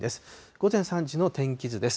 午前３時の天気図です。